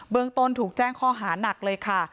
เมืองต้นถูกแจ้งข้อหานักเลยค่ะ